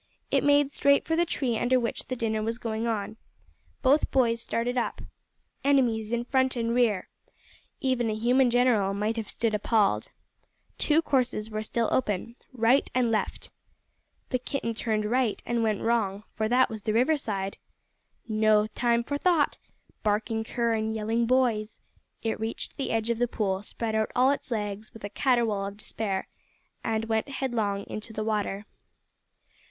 It made straight for the tree under which the dinner was going on. Both boys started up. Enemies in front and rear! Even a human general might have stood appalled. Two courses were still open right and left. The kitten turned right and went wrong, for that was the river side. No time for thought! Barking cur and yelling boys! It reached the edge of the pool, spread out all its legs with a caterwaul of despair, and went headlong into the water.